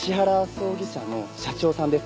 葬儀社の社長さんですね。